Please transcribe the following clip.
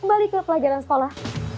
kembali ke pelajaran sekolah